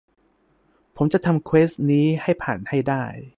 ผมจะทำเควสต์นี้ให้ผ่านให้ได้